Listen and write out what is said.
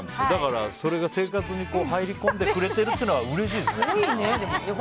それが生活に入り込んでくれてるのはうれしいですね。